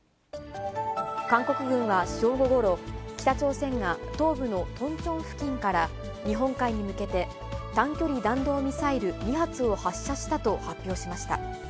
韓国軍は正午ごろ、北朝鮮が東部のトンチョン付近から、日本海に向けて短距離弾道ミサイル２発を発射したと発表しました。